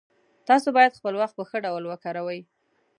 تاسو باید خپل وخت په ښه ډول وکاروئ